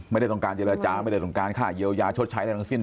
ไม่ได้ต้องการเจรจาไม่ได้ต้องการค่าเยียวยาชดใช้อะไรทั้งสิ้น